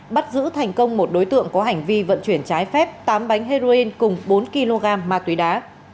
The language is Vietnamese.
bắt giữ thành công một đối tượng có hành vi vận chuyển trái phép tám bánh heroin cùng bốn kg ma túy đá